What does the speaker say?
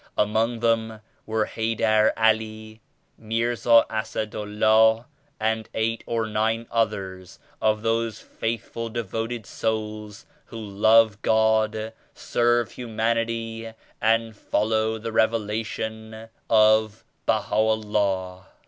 Among them were Hayder Ali, Mirza Assad Ullah and eight or nine others of those faithful devoted souls who love God, serve humanity and follow the Revelation of Baha'u'llah.